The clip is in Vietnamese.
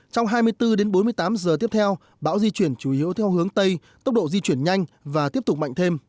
trong hai mươi bốn đến bốn mươi tám giờ tiếp theo bão di chuyển chủ yếu theo hướng tây tốc độ di chuyển nhanh và tiếp tục mạnh thêm